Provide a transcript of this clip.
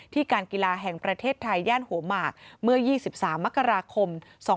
การกีฬาแห่งประเทศไทยย่านหัวหมากเมื่อ๒๓มกราคม๒๕๖